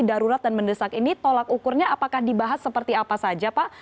darurat dan mendesak ini tolak ukurnya apakah dibahas seperti apa saja pak